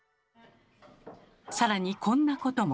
更にこんなことも。